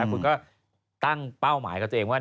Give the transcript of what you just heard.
คุณก็ตั้งเป้าหมายกับตัวเองว่า